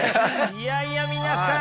いやいや皆さん